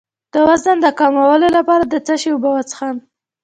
د وزن د کمولو لپاره د څه شي اوبه وڅښم؟